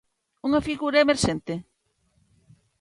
Unha figura emerxente?